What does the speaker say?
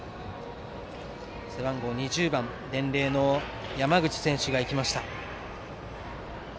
背番号２０番伝令の山口選手が行きました。